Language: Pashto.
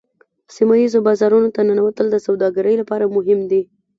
سیمه ایزو بازارونو ته ننوتل د سوداګرۍ لپاره مهم دي